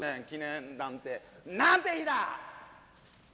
なんて日だ！